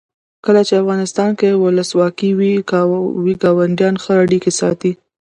کله چې افغانستان کې ولسواکي وي ګاونډیان ښه اړیکې ساتي.